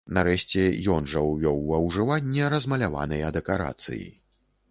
Нарэшце, ён жа ўвёў ва ўжыванне размаляваныя дэкарацыі.